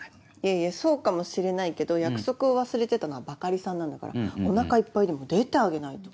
いやそうかもしれないけど約束を忘れてたのはバカリさんなんだからお腹いっぱいでも出てあげないと。